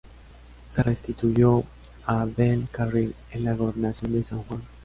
Se restituyó a Del Carril en la gobernación de San Juan.